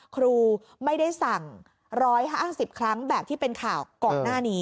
ครูไม่ได้สั่ง๑๕๐ครั้งแบบที่เป็นข่าวก่อนหน้านี้